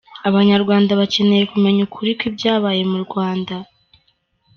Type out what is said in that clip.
Abanyarwanda bakeneye kumenya ukuri kw’ibyabaye mu Rwanda.